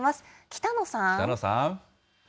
北野さん。